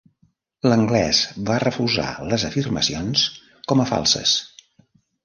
L'anglès va refusar les afirmacions com a falses.